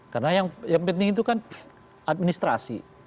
karena yang penting itu kan administrasi